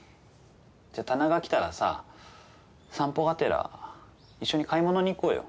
じゃあ棚が来たらさ散歩がてら一緒に買い物に行こうよ。